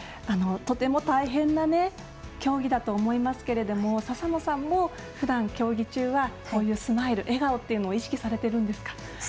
とても大変な競技だと思いますけれども笹野さんもふだん、競技中はこういうスマイル笑顔というのを意識されてるんですか？